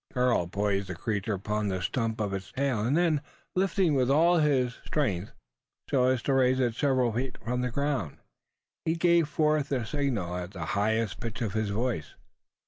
Karl poised the creature upon the stump of its tail; and then, lifting with all his strength so as to raise it several feet from the ground he gave forth the signal at the highest pitch of his voice.